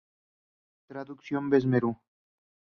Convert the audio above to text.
Безмеръ ~г.